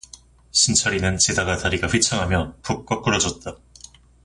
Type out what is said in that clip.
신철이는 지다가 다리가 휘청하며 푹 꺼꾸러졌다.